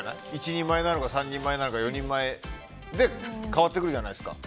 １人前なのか３人前なのかで変わってくるじゃないですか。